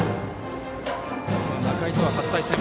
仲井とは初対戦。